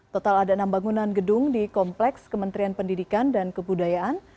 total ada enam bangunan gedung di kompleks kementerian pendidikan dan kebudayaan